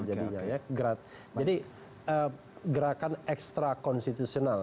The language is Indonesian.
jadi gerakan ekstra konstitusional